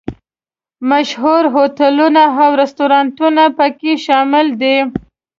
مشهور هوټلونه او رسټورانټونه په کې شامل دي.